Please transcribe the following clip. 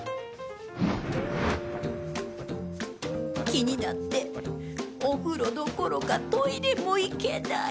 気になって、お風呂どころかトイレも行けない！